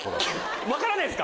分からないですか？